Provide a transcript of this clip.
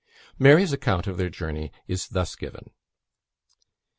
Mary's account of their journey is thus given.